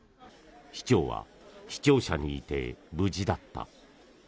市長は市庁舎にいて無事だった。